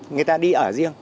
người ta đi ở riêng